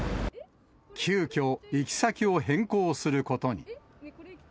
急きょ、行き先を変更することに。